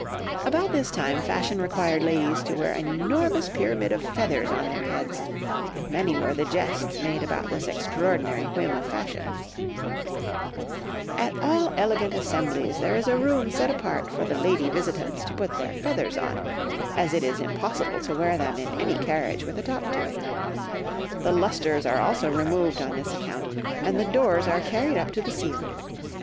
About this time fashion required ladies to wear an enormous pyramid of feathers on their heads, and many were the jests made about this extraordinary whim of fashion— "At all elegant assemblies there is a room set apart for the lady visitants to put their feathers on, as it is impossible to wear them in any carriage with a top to it. The lustres are also removed on this account, and the doors are carried up to the ceiling.